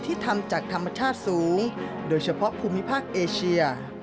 ทำจากธรรมชาติสูงโดยเฉพาะภูมิภาคเอเชีย